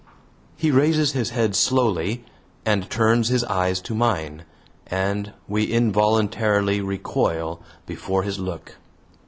He raises his head slowly, and turns his eyes to mine, and we involuntarily recoil before his look.